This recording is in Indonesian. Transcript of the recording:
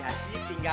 artis yang gua